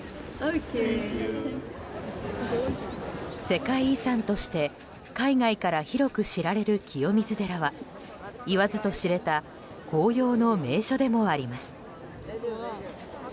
世界遺産として海外から広く知られる清水寺は言わずと知れた紅葉の名所でもあります。